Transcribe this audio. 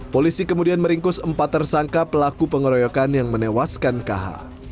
polisi kemudian meringkus empat tersangka pelaku pengeroyokan yang menewaskan kh